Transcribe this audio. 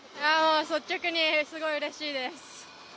率直にすごくうれしいです。